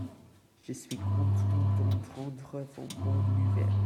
Je suis content d'entendre vos bonnes nouvelles.